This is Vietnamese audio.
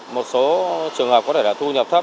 một số trường hợp có thể là thu nhập thấp